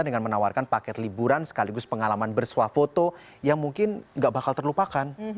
dengan menawarkan paket liburan sekaligus pengalaman bersuah foto yang mungkin nggak bakal terlupakan